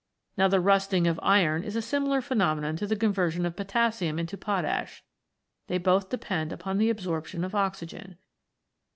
Now the rusting of iron is a similar phenomenon to the conversion of potassium into potash ; they both depend upon the absorption of oxygen.